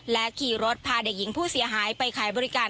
ขี่รถพาเด็กหญิงผู้เสียหายไปขายบริการ